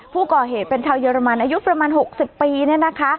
ผู้ก่อเหตุเป็นชาวเยอรมันอายุประมาณ๖๐ปีเนี่ยนะคะ